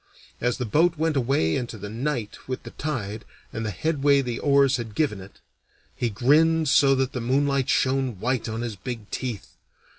As the boat went away into the night with the tide and the headway the oars had given it, he grinned so that the moonlight shone white on his big teeth.